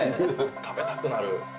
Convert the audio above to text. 食べたくなる。